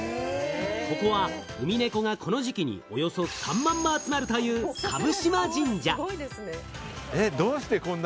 ここはウミネコがこの時期におよそ３万羽集まるという蕪嶋神社。